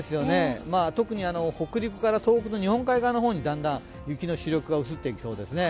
特に北陸から東北の日本海側の方にだんだん雪の主力が移っていきそうですね。